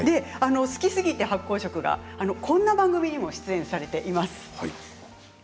好きすぎて、発酵食がこんな番組にご出演されています。